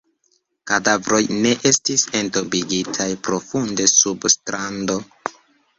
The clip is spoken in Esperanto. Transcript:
Kadavroj ne estis entombigitaj profunde sub strando.